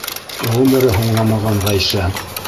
Ғүмере һуңламаған Ғәйшә!